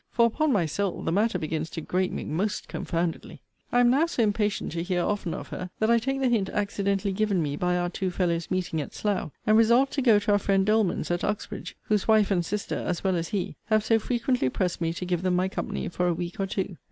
For, upon my soul, the matter begins to grate me most confoundedly. I am now so impatient to hear oftener of her, that I take the hint accidentally given me by our two fellows meeting at Slough, and resolve to go to our friend Doleman's at Uxbridge; whose wife and sister, as well as he, have so frequently pressed me to give them my company for a week or two.